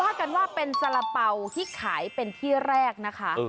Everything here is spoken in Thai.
ว่ากันว่าเป็นสาระเป๋าที่ขายเป็นที่แรกนะคะ